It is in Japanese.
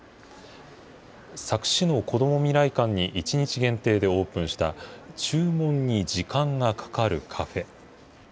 佐久市の子ども未来館に１日限定でオープンした、注文に時間がかかるカフェ。